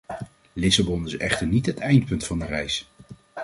Lissabon is echter niet het eindpunt van de reis.